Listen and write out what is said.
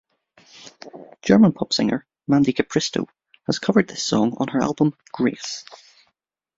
German pop singer Mandy Capristo has covered this song on her album "Grace".